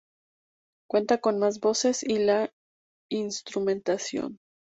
Cuenta con más voces y la instrumentación.